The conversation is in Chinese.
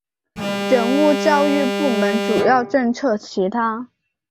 人物教育部门主要政策其他